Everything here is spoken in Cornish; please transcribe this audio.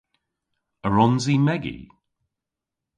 A wrons i megi?